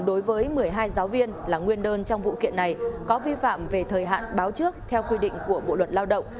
đối với một mươi hai giáo viên là nguyên đơn trong vụ kiện này có vi phạm về thời hạn báo trước theo quy định của bộ luật lao động